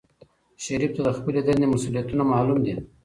شریف ته د خپلې دندې مسؤولیتونه معلوم دي.